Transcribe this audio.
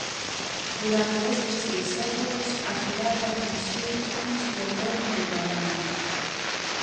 Durante estes seis séculos a cidade atinxiu un esplendor inigualábel.